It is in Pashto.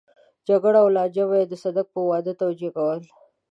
جګړه او لانجه به يې د صدک په واده توجيه کوله.